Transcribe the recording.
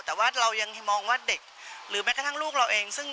แต่ว่าเรายังมองว่าเด็กหรือแม้กระทั่งลูกเราเองซึ่ง